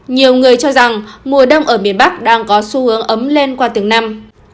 nhiều người cho rằng mùa đông ở miền bắc đang có xu hướng ấm lên qua từng năm